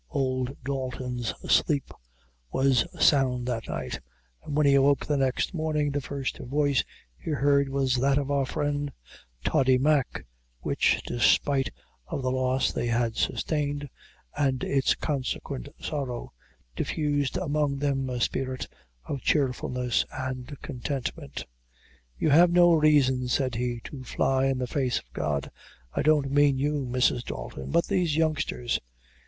Old Dalton's sleep was sound that night; and when he awoke the next morning the first voice he heard was that of our friend Toddy Mack, which, despite of the loss they had sustained, and its consequent sorrow, diffused among them a spirit of cheerfulness and contentment. "You have no raison," said he, "to fly in the face of God I don't mane you, Mrs. Dalton but these youngsters.